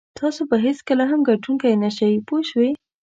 تاسو به هېڅکله هم ګټونکی نه شئ پوه شوې!.